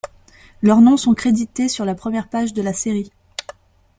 Leurs noms sont crédités sur la première page de la série.